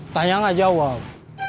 tanyang aja wak